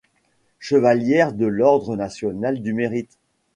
Chevalière de l'Ordre national du Mérite.